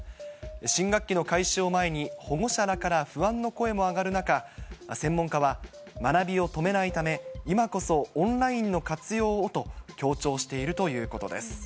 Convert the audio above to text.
新学期の開始を前に、保護者らから不安の声も上がる中、専門家は学びを止めないため、今こそオンラインの活用をと、強調しているということです。